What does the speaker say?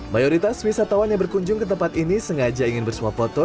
mayoritas wisatawan yang berkunjung ke tempat ini sengaja ingin bersuap foto